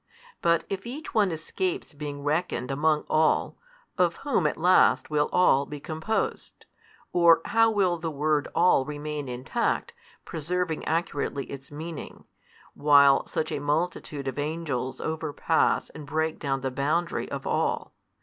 But if each one escapes being reckoned among all, of whom at last will all be composed? or how will the word all remain intact, preserving accurately its meaning, while such a multitude of angels overpass and break down the boundary of all?